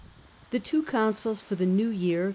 The two consuls for the new year, C.